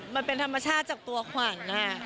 มันเป็นธรรมชาติจากตัวขวัญ